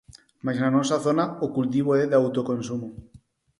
Mais na nosa zona o cultivo é de autoconsumo.